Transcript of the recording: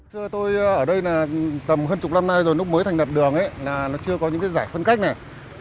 trước tôi ở đây là tầm hơn chục năm nay rồi lúc mới thành đặt đường nó chưa có những giải phân cách này